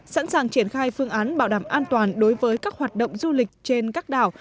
sẵn sàng triển khai phương án bảo đảm an toàn đối với các hoạt động du lịch trên các đảo